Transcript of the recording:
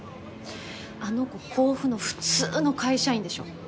あの子甲府の普通の会社員でしょ。